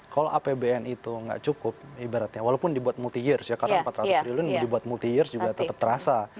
kalau apbn itu nggak cukup ibaratnya walaupun dibuat multi years ya karena empat ratus triliun dibuat multi years juga tetap terasa